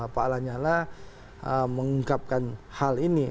pak lanyala mengungkapkan hal ini